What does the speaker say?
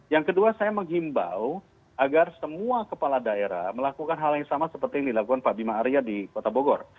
yang kedua saya menghimbau agar semua kepala daerah melakukan hal yang sama seperti yang dilakukan pak bima arya di kota bogor